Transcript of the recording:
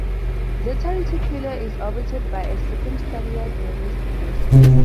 Zeta Reticuli is orbited by a circumstellar debris disk.